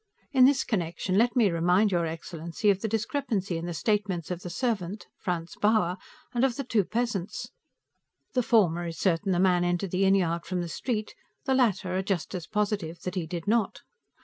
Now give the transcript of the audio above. In this connection, let me remind your excellency of the discrepancy in the statements of the servant, Franz Bauer, and of the two peasants. The former is certain the man entered the inn yard from the street; the latter are just as positive that he did not.